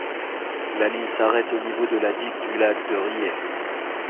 La ligne s’arrête au niveau de la digue du lac de Rillé.